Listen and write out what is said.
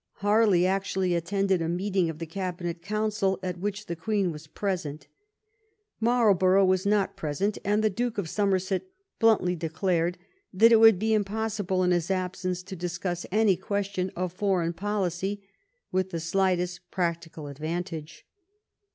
Harley actually attended a meeting of the cabinet council at which the Queen was present Marlborough was not present, and the Duke of Somerset bluntly declared that it would be impossible in his absence to 313 THE REIGN OF QUEEN ANNE discuss any question of foreign policy with the slightest practical advantage.